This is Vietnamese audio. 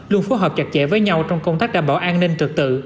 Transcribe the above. luôn phối hợp chặt chẽ với nhau trong công tác đảm bảo an ninh trực tự